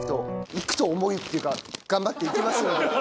行くと思いっていうか頑張って行きますので。